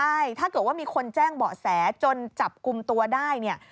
ใช่ถ้าเกิดว่ามีคนแจ้งเบาะแสจนจับกลุ่มตัวได้เนี่ย